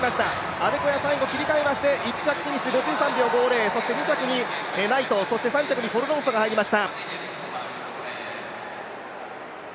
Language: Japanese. アデコヤ最後、切り替えまして１着、５３秒５０、２着にナイト、３着にフォロルンソが入りました。